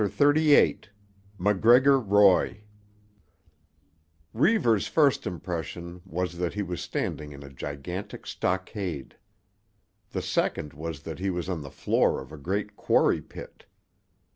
CHAPTER XXXVIII—MACGREGOR ROY Reivers' first impression was that he was standing in a gigantic stockade. The second that he was on the floor of a great quarry pit.